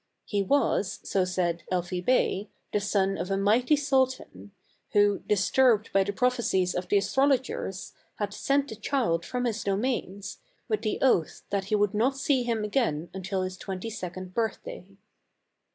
He was, so said Elfi Bey, the son of a mighty sultan, who, disturbed by the prophecies of the astrol ogers, had sent the child from his domains, with the oath that he would not see him again until his twenty second birthday.